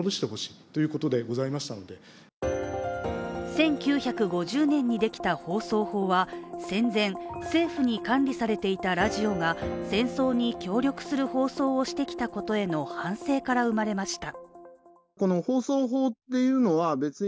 １９５０年にできた放送法は戦前、政府に管理されていたラジオが戦争に協力する放送をしてきたことへの反省から生まれました。